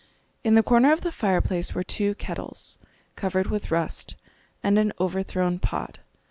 In the corner of the fireplace were two kettles, covered with rust, and an overthrown pot.